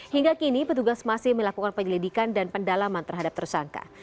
hingga kini petugas masih melakukan penyelidikan dan pendalaman terhadap tersangka